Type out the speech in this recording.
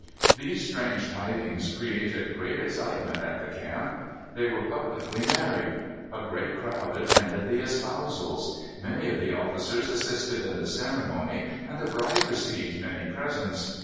These strange tidings created great excitement an the camp. They were publicly married. A great crowd attended the espousals. Many of the officers assisted in the ceremony, and the bride received many presents.